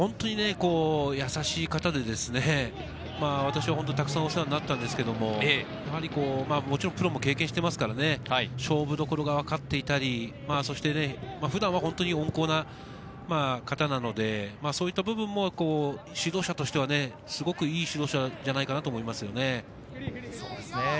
やさしい方でですね、私はたくさんお世話になったんですけれども、もちろんプロも経験していますからね、勝負どころが分かっていたり、普段は本当に温厚な方なので、そういった部分も指導者としてはすごくいい指導者じゃないかなと思いますね。